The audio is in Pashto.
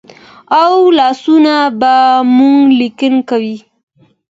او لاسونه به مو لیکل کوي.